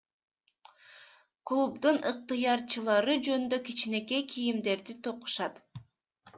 Клубдун ыктыярчылары жүндөн кичинекей кийимдерди токушат.